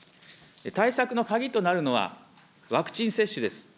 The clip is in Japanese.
対策の鍵となるのは、ワクチン接種です。